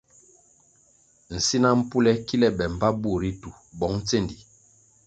Nsina mpule kile be mbpa bur ritu bong tsendi.